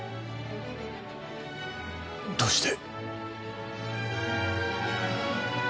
どうして？